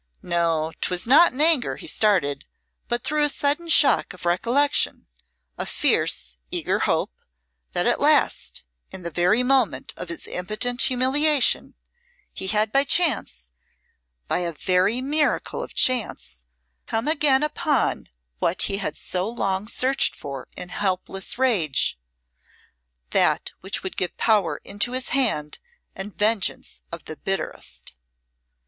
No, 'twas not in anger he started but through a sudden shock of recollection, of fierce, eager hope, that at last, in the moment of his impotent humiliation, he had by chance by a very miracle of chance come again upon what he had so long searched for in helpless rage that which would give power into his hand and vengeance of the bitterest.